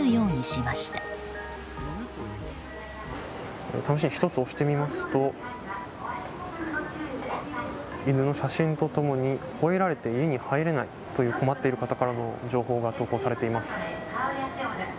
試しに１つ押してみますと犬の写真と共にほえられて家に入れないという困っている方からの情報が投稿されています。